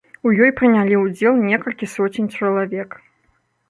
У ёй прынялі ўдзел некалькі соцень чалавек.